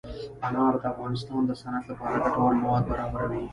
انار د افغانستان د صنعت لپاره ګټور مواد برابروي.